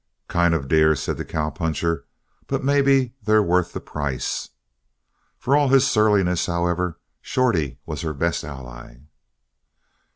"Kind of dear," said the cowpuncher, "but maybe they're worth the price." For all his surliness, however, Shorty was her best ally.